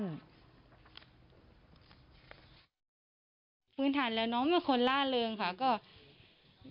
เงินจะเข้าเวรนี่ค่ะ